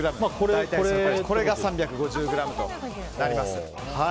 これが３５０ｇとなります。